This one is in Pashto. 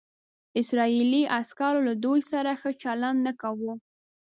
اسرائیلي عسکرو له دوی سره ښه چلند نه کاوه.